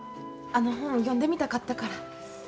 あの本読んでみたかったから。